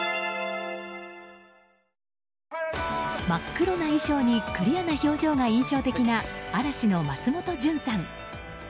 真っ黒な衣装にクリアな表情が印象的な嵐の松本潤さん。